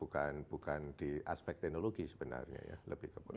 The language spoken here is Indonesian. dan bukan di aspek teknologi sebenarnya ya lebih ke politik